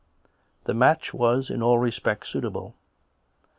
The match was in all respects suitable.